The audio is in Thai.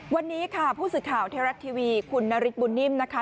วันนี้ค่ะผู้สึกข่าวเทราะท์ทีวีคุณนาริกบุญนิมนะคะ